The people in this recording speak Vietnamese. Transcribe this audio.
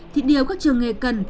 thì điều các trường nghề cần